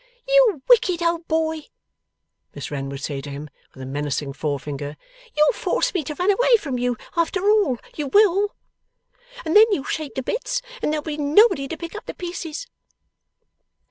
'You wicked old boy,' Miss Wren would say to him, with a menacing forefinger, 'you'll force me to run away from you, after all, you will; and then you'll shake to bits, and there'll be nobody to pick up the pieces!